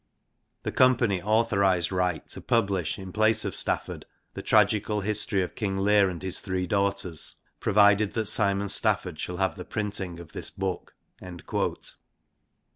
The company authorised Wright to publish, in place of Stafford, The Tragicall History of kinge Le'ire and his Three Daughters, provided that Simon Stafford shall have the printinge of this booke.'